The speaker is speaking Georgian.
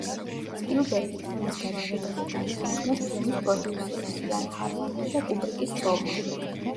სპილბერგი ფილმის გადაღებაზე დაითანხმეს ფილმის პროდიუსერმა, იან ჰარლანმა და კუბრიკის ცოლმა.